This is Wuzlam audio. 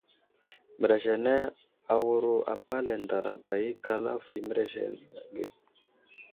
Mərez anay awuro apalay ndaraɓa ikal avohw i mərez age.